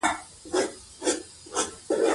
کله نمر پۀ خپلو لمنو کښې ونيوي